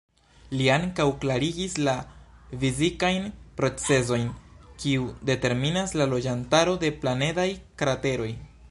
Li ankaŭ klarigis la fizikajn procezojn, kiu determinas la loĝantaro de planedaj krateroj.